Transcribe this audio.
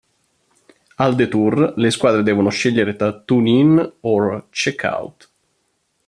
Al Detour, le squadre devono scegliere tra "Tune In" or "Check Out".